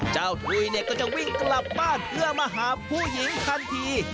ถุยเนี่ยก็จะวิ่งกลับบ้านเพื่อมาหาผู้หญิงทันที